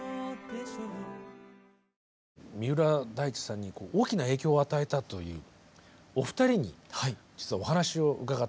三浦大知さんに大きな影響を与えたというお二人に実はお話を伺っておりまして。